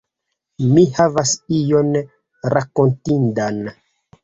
Mi havas ion rakontindan.